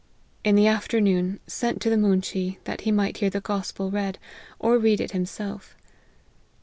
In the after noon, sent to the moonshee, that he might hear the gospel read, or read it himself.